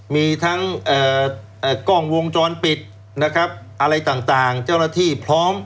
มีทั้งกล้องวงจรปิดนะครับอะไรต่างเจ้าหน้าที่พร้อม